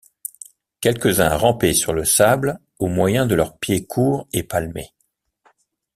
Quelques-uns rampaient sur le sable au moyen de leurs pieds courts et palmés.